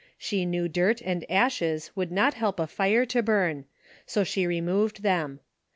She knew dirt and ashes could not help a fire to burn, so she re moved them.